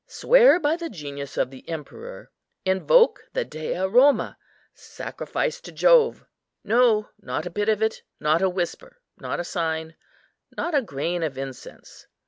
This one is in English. Swear by the genius of the emperor, invoke the Dea Roma, sacrifice to Jove; no, not a bit of it, not a whisper, not a sign, not a grain of incense.